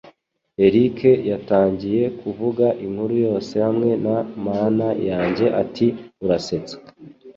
Eric yatangiye kuvuga inkuru yose hamwe na "Mana yanjye!" ati "Urasetsa!"